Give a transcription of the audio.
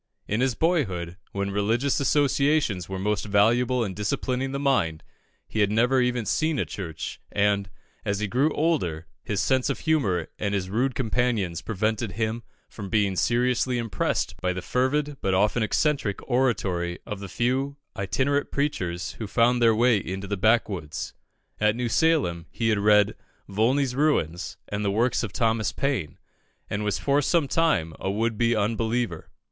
In his boyhood, when religious associations are most valuable in disciplining the mind, he had never even seen a church, and, as he grew older, his sense of humour and his rude companions prevented him from being seriously impressed by the fervid but often eccentric oratory of the few itinerant preachers who found their way into the backwoods. At New Salem, he had read "Volney's Ruins" and the works of Thomas Paine, and was for some time a would be unbeliever.